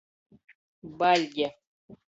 Baļge.